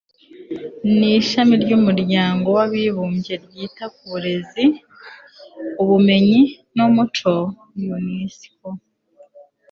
n Ishami ry Umuryango w abibumbye ryita ku burezi ubumenyi n umuco UNESCO